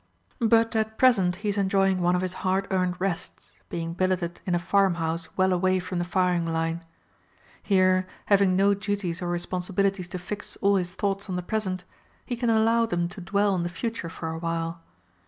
But at present he is enjoying one of his hard earned rests, being billeted in a farmhouse well away from the firing line. Here, having no duties or responsibilities to fix all his thoughts on the present, he can allow them to dwell on the future for a while.